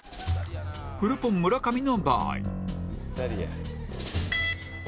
フルポン村上の場合